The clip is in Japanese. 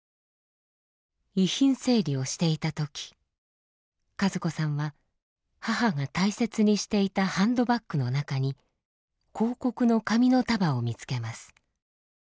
遺品整理をしていた時和子さんは母が大切にしていたハンドバッグの中に広告の紙の束を見つけます。